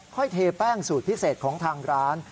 เทแป้งสูตรพิเศษของทางร้าน